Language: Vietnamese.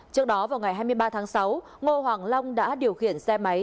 trước đó vào ngày hai mươi ba tháng sáu ngô hoàng long đã điều khiển xe máy